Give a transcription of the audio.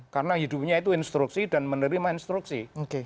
karena hidupnya itu instruksi dan menerima instruksi